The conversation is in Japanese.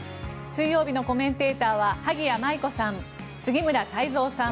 水曜日のコメンテーターは萩谷麻衣子さん、杉村太蔵さん